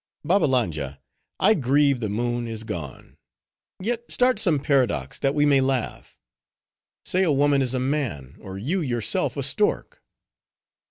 Babbalanja, I grieve the moon is gone. Yet start some paradox, that we may laugh. Say a woman is a man, or you yourself a stork."